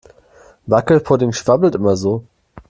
Wackelpudding schwabbelt immer so.